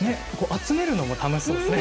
集めるのも楽しそうですね。